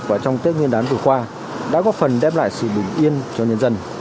và trong tết nguyên đán vừa qua đã góp phần đem lại sự bình yên cho nhân dân